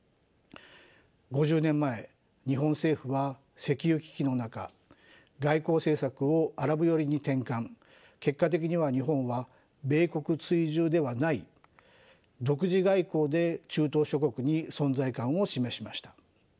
５０年前日本政府は石油危機の中外交政策をアラブ寄りに転換結果的には日本は米国追従ではない独自外交で中東諸国に存在感を示しました。